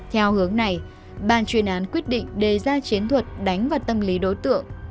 theo hướng này ban chuyên án quyết định đề ra chiến thuật đánh vào tâm lý đối tượng